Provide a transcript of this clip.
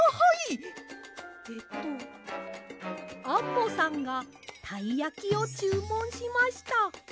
えっとアンモさんがたいやきをちゅうもんしました。